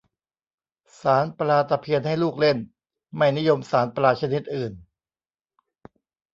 สานปลาตะเพียนให้ลูกเล่น ไม่นิยมสานปลาชนิดอื่น